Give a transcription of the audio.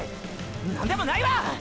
何でもないわ！